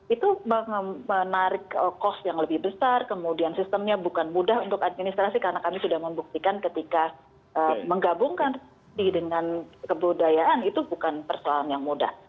itu menarik kos yang lebih besar kemudian sistemnya bukan mudah untuk administrasi karena kami sudah membuktikan ketika menggabungkan dengan kebudayaan itu bukan persoalan yang mudah